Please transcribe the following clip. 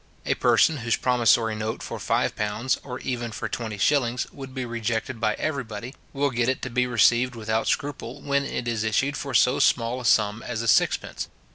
A person whose promissory note for £5, or even for 20s. would be rejected by every body, will get it to be received without scruple when it is issued for so small a sum as a sixpence.